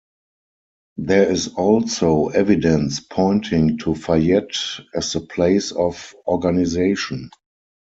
There is also evidence pointing to Fayette as the place of organization.